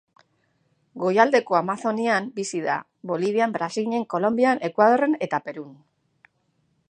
Goialdeko Amazonian bizi da, Bolivian, Brasilen, Kolonbian, Ekuadorren eta Perun.